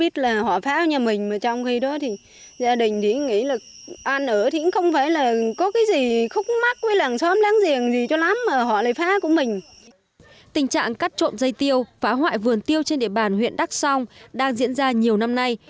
tình trạng cắt trộm dây tiêu phá hoại vườn tiêu trên địa bàn huyện đắk song đang diễn ra nhiều năm nay